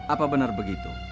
apa benar begitu